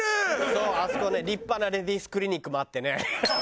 そうあそこね立派なレディースクリニックもあってね。